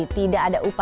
tidak ada upaya